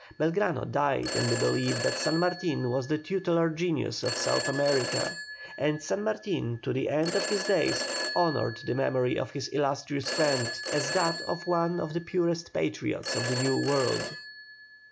Belgrano died in the belief that San Martin was the tutelar genius of South America, and San Martin to the end of his days honoured the memory of his illustrious friend as that of one of the purest patriots of the New World.